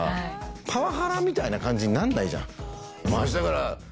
パワハラみたいな感じになんないじゃん。